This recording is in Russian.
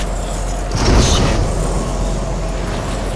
Прощай!